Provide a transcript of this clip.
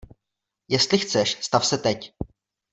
Jestli chceš, stav se teď.